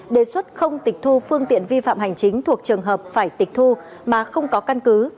đề xuất không tịch thu phương tiện vi phạm hành chính thuộc trường hợp phải tịch thu mà không có căn cứ